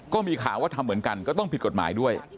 ก็มีข่าวว่าทำเหมือนกันก็ต้องผิดกฎหมายด้วย